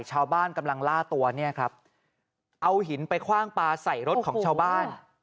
ชาวบ้านกำลังล่าตัวเนี่ยครับเอาหินไปคว่างปลาใส่รถของชาวบ้าน